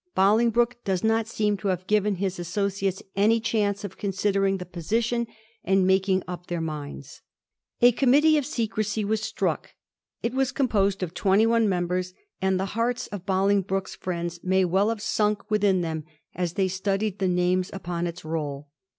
Bolingbroke does not seem to have given his associates any chance of considering the position and making up their minds. A committee of secrecy was struck. It was com posed of twenty one members, and the hearts of Boling broke's friends may well have sunk within them as they studied the names upon its roll.